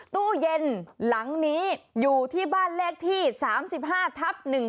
ตู้เย็นหลังนี้อยู่ที่บ้านเลขที่๓๕ทับ๑๒